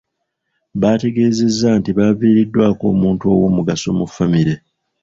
Baategeezezza nti baviiriddwako omuntu owoomugaso mu ffamire.